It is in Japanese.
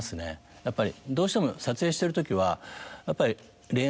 やっぱりどうしても撮影してるときはやっぱり。